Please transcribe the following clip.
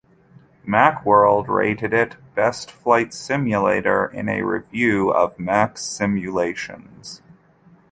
Macworld rated it "Best Flight Simulator" in a review of Mac simulations.